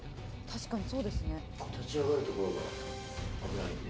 「確かにそうですね」